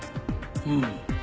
うん。